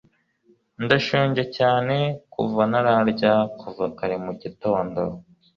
ndashonje cyane kuva ntararya kuva kare mugitondo